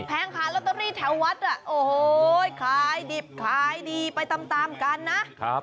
แผงขายลอตเตอรี่แถววัดอ่ะโอ้โหขายดิบขายดีไปตามกันนะ